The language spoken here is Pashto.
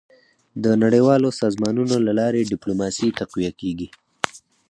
. د نړیوالو سازمانونو له لارې ډيپلوماسي تقویه کېږي.